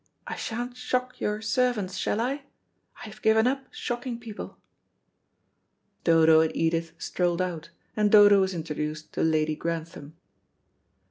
I sha'n't shock your servants, shall I? I've given up shocking people." Dodo and Edith strolled out, and Dodo was introduced to Lady Grantham.